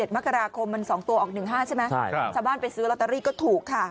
มักราคมมันสองตัวออกหนึ่งห้าใช่ไหมใช่ครับชาวบ้านไปซื้อลอตารีก็ถูกค่ะ